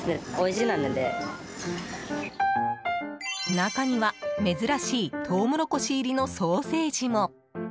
中には、珍しいトウモロコシ入りのソーセージも。